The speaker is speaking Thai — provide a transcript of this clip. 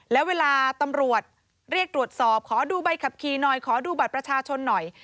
แล้วเวลาตำรวจเรียกตรวจสอบขอดูใบขับขี่หน่อยขอดูบัตรประชาชนหน่อย